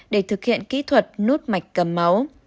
để thực hiện kỹ thuật nút mạch cầm máu